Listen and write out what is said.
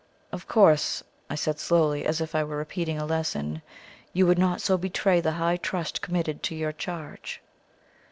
"Of course," I said slowly, as if I were repeating a lesson, "you would not so betray the high trust committed to your charge."